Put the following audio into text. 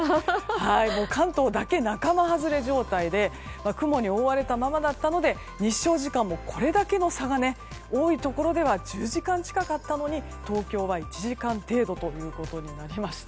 関東だけ仲間外れ状態で雲に覆われたままだったので日照時間もこれだけの差が多いところでは１０時間近かったのに東京は１時間程度ということになりました。